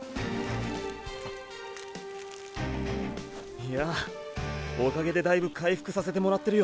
いやぁおかげでだいぶ回復させてもらってるよ！